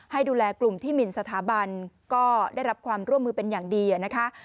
ให้ดูแลกลุ่มที่หมินสถาบันก็ได้รับความร่วมมือเป็นอย่างดีนะคะ